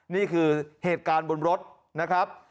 นี่คือเหตุการณ์บนรถนะครับ